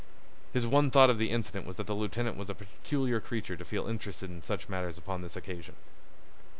His one thought of the incident was that the lieutenant was a peculiar creature to feel interested in such matters upon this occasion.